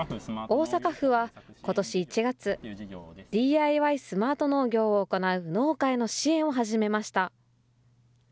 大阪府はことし１月、ＤＩＹスマート農業を行う農家への支援を始めました。